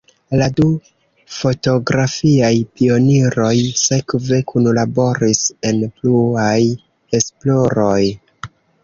La du fotografiaj pioniroj sekve kunlaboris en pluaj esploroj.